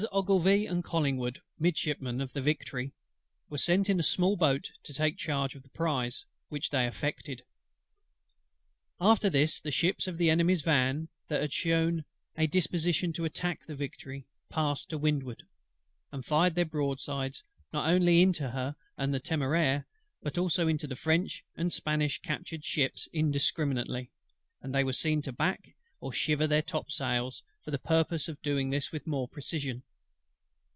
OGILVIE and COLLINGWOOD, Midshipmen of the Victory, were sent in a small boat to take charge of the prize, which they effected. After this, the ships of the Enemy's van that had shewn a disposition to attack the Victory, passed to windward; and fired their broadsides not only into her and the Temeraire, but also into the French and Spanish captured ships indiscriminately: and they were seen to back or shiver their topsails for the purpose of doing this with more precision.